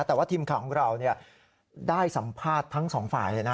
แต่ว่าทีมข่าวของเราได้สัมภาษณ์ทั้งสองฝ่ายเลยนะ